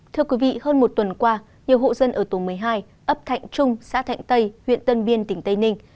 thưa quý vị hơn một tuần qua nhiều hộ dân ở tổ một mươi hai ấp thạnh trung xã thạnh tây huyện tân biên tỉnh tây ninh